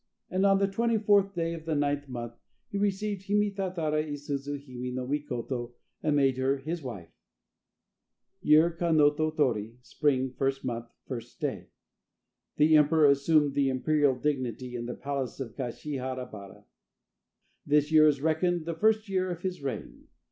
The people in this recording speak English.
And on the 24th day of the 9th month he received Hime tatara i suzu hime no Mikoto and made her his wife. Year Kanoto Tori, Spring, 1st month, 1st day. The emperor assumed the imperial dignity in the palace of Kashiha bara. This year is reckoned the first year of his reign.